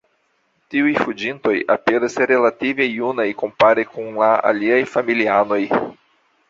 Tiuj "fuĝintoj" aperas relative junaj kompare kun la aliaj familianoj.